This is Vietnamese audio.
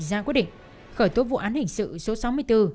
ra quyết định khởi tố vụ án hình sự số sáu mươi bốn